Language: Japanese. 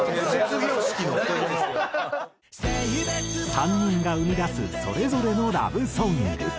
３人が生み出すそれぞれのラブソング。